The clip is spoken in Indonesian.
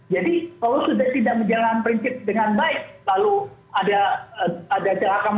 jadi kalau sudah tidak menjalankan prinsip dengan baik lalu ada celah keamanan ya sudah benar celahnya